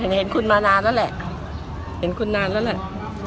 เห็นคุณมานานแล้วแหละเห็นคุณนานแล้วแหละ